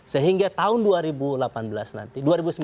sehingga tahun dua ribu dua puluh ini kita bisa melihatnya seperti ini